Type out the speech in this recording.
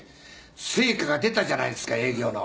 成果が出たじゃないですか営業の。